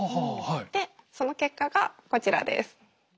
でその結果がこちらです。